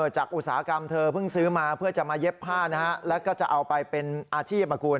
อุตสาหกรรมเธอเพิ่งซื้อมาเพื่อจะมาเย็บผ้านะฮะแล้วก็จะเอาไปเป็นอาชีพ